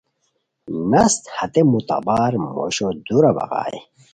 نست ہتے معتبر موشو دُورہ بغائے